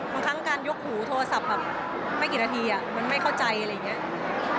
บางครั้งการยกหูโทรศัพท์แบบไม่กี่นาทีมันไม่เข้าใจอะไรอย่างนี้